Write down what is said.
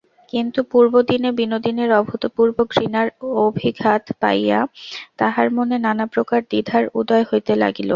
কিন্তু পূর্বদিনে বিনোদিনীর অভূতপূর্ব ঘৃণার অভিঘাত পাইয়া তাহার মনে নানাপ্রকার দ্বিধার উদয় হইতে লাগিল।